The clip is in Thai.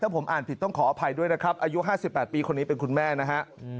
ผมอ่านผิดต้องขออภัยด้วยนะครับอายุ๕๘ปีคนนี้เป็นคุณแม่นะฮะ